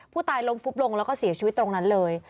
ผู้ตายล้มฟุบลงแล้วก็เสียชีวิตตรงนั้นเลย